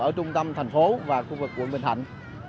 ở trung tâm thành phố và khu vực quận bình thạnh